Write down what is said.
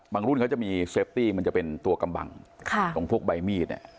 รุ่นเขาจะมีเซฟตี้มันจะเป็นตัวกำบังตรงพวกใบมีด